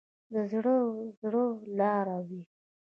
د زړه و زړه لار وي.